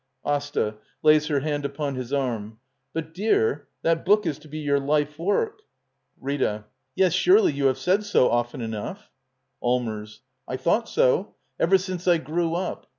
^^ AsTA. [Lays her hand upon his arm.] But, dear — that hnnl js_ln \n j/imi liffwnili RrrA. Yes, surely you have said so often enough. Allmers. I thought so. Ever since I grew up.